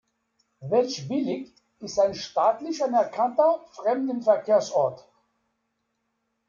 Welschbillig ist ein staatlich anerkannter Fremdenverkehrsort.